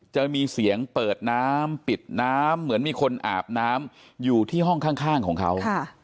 จะมีเสียงเปิดน้ำปิดน้ำเหมือนมีคนอาบน้ำอยู่ที่ห้องข้างของเขา